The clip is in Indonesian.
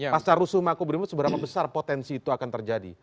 pasca rusuh makobrimo seberapa besar potensi itu akan terjadi